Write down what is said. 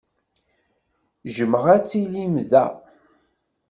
Jjmeɣ ad tilim da.